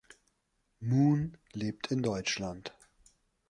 Moon lebt in Deutschland.